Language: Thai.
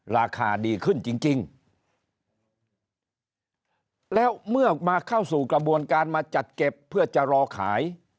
ราคาดีขึ้นจริงจริงแล้วเมื่อมาเข้าสู่กระบวนการมาจัดเก็บเพื่อจะรอขาย